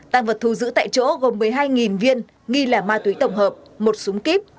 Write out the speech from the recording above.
tăng vật thu giữ tại chỗ gồm một mươi hai viên nghi là ma túy tổng hợp một súng kíp